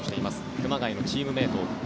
熊谷のチームメート。